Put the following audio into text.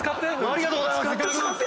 ありがとうございます。